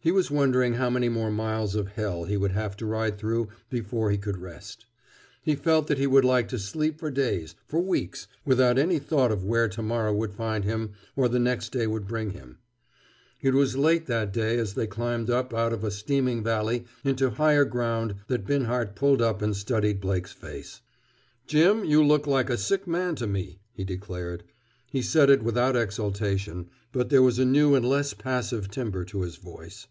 He was wondering how many more miles of hell he would have to ride through before he could rest. He felt that he would like to sleep for days, for weeks, without any thought of where to morrow would find him or the next day would bring him. It was late that day as they climbed up out of a steaming valley into higher ground that Binhart pulled up and studied Blake's face. "Jim, you look like a sick man to me!" he declared. He said it without exultation; but there was a new and less passive timber to his voice.